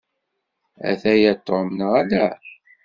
Ataya Tom, neɣ ala?